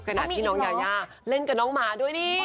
ขณะที่น้องยายาเล่นกับน้องหมาด้วยนี่